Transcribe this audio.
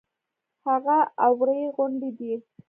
هغه اوارې غونډې دي.